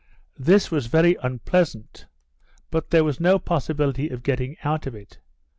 This was very unpleasant, but there was no possibility of getting out of it.